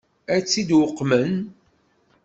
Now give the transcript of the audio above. Ad tt-id-uqmen?